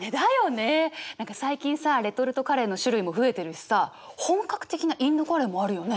何か最近さレトルトカレーの種類も増えてるしさ本格的なインドカレーもあるよね。